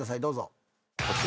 どうぞ。